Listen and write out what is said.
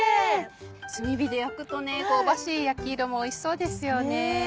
炭火で焼くと香ばしい焼き色もおいしそうですよね。